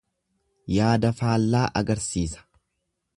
Yaada faallaa argisiisa.